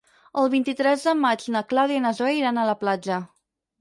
El vint-i-tres de maig na Clàudia i na Zoè iran a la platja.